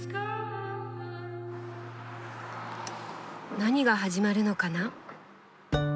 何が始まるのかな？